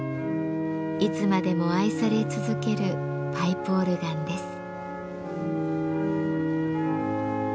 いつまでも愛され続けるパイプオルガンです。